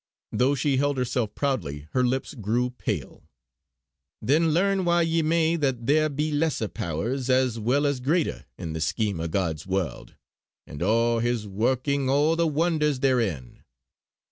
Though she held herself proudly, her lips grew pale: "Then learn while ye may that there be lesser powers as well as greater in the scheme o' God's warld, and o' His working o' the wonders therein.